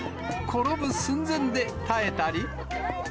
転ぶ寸前で耐えたり。